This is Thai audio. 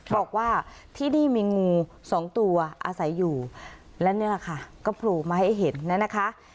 บอกว่าที่นี่มีงูสองตัวอาศัยอยู่และนี่แหละค่ะก็โผล่มาให้เห็นนะคะ